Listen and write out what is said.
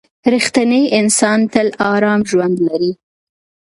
• رښتینی انسان تل ارام ژوند لري.